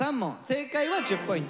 正解は１０ポイント。